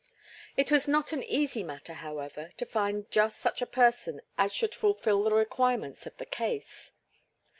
It was not an easy matter, however, to find just such a person as should fulfil the requirements of the case.